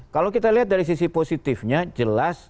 kalau kita lihat dari sisi positifnya jelas